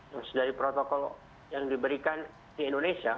terus dari protokol yang diberikan di indonesia